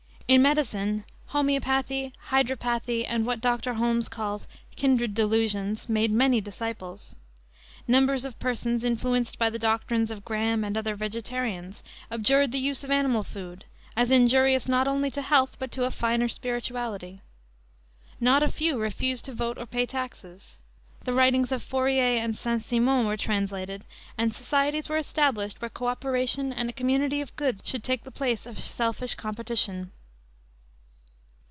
In medicine, homeopathy, hydropathy, and what Dr. Holmes calls "kindred delusions," made many disciples. Numbers of persons, influenced by the doctrines of Graham and other vegetarians, abjured the use of animal food, as injurious not only to health but to a finer spirituality. Not a few refused to vote or pay taxes. The writings of Fourier and St. Simon were translated, and societies were established where co operation and a community of goods should take the place of selfish competition.